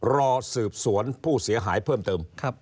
รอสืบสวนผู้เสียหายเพิ่มเติม